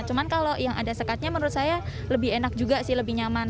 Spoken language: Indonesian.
cuma kalau yang ada sekatnya menurut saya lebih enak juga sih lebih nyaman